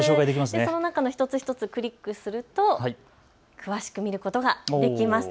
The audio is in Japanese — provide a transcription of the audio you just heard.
その中の一つ一つをクリックすると詳しく見ることができます。